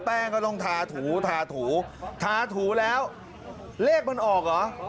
ก็ต้องทาถูทาถูทาถูแล้วเลขมันออกเหรอ